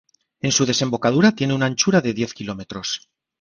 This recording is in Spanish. En su desembocadura tiene una anchura de diez kilómetros.